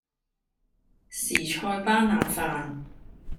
時菜班腩飯